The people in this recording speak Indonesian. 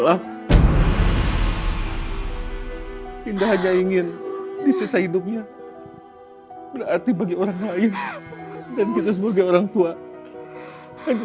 allah indah hanya ingin disesai hidupnya berarti bagi orang lain dan kita sebagai orangtua hanya